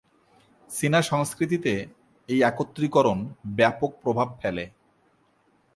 চীনা সংস্কৃতিতে এই একত্রীকরণ ব্যাপক প্রভাব ফেলে।